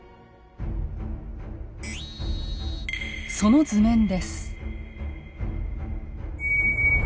その図面です。